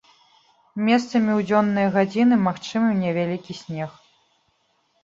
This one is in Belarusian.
Месцамі ў дзённыя гадзіны магчымы невялікі снег.